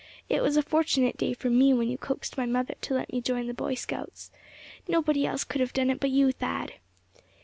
It was a fortunate day for me when you coaxed my mother to let me join the Boy Scouts. Nobody else could have done it but you, Thad."